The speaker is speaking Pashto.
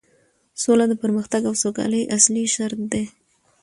سوله د پرمختګ او سوکالۍ اصلي شرط دی